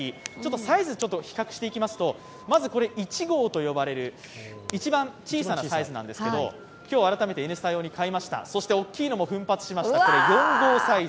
サイズを比較していきますとまずこれ、１号と呼ばれる、一番小さなサイズなんですけど今日改めて「Ｎスタ」用に買いました大きいのも奮発しました、４号サイズ。